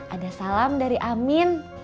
ada salam dari amin